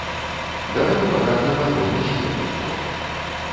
Даволі багаты падводны свет рыфаў.